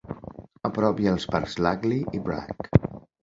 A prop hi ha els parcs Langley i Black.